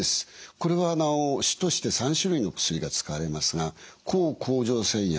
これは主として３種類の薬が使われますが抗甲状腺薬